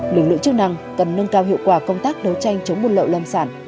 lực lượng chức năng cần nâng cao hiệu quả công tác đấu tranh chống buôn lậu lâm sản